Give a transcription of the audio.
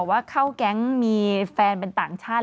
ว่าเข้าแก๊งมีแฟนเป็นต่างชาติ